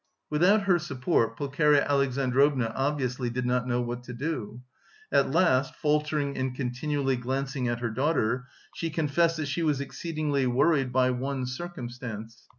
Without her support Pulcheria Alexandrovna obviously did not know what to do. At last, faltering and continually glancing at her daughter, she confessed that she was exceedingly worried by one circumstance.